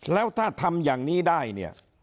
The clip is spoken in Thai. แล้วถ้าทำอย่างนี้ได้